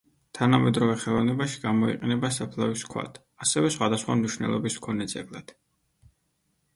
თანამედროვე ხელოვნებაში გამოიყენება საფლავის ქვად, ასევე სხვადასხვა მნიშვნელობის მქონე ძეგლად.